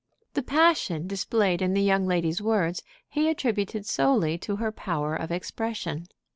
The passion displayed in the young lady's words he attributed solely to her power of expression.